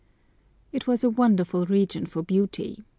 It was a wonderful region for beauty.